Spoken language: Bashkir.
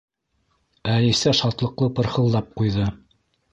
Әлисә шатлыҡлы пырхылдап ҡуйҙы.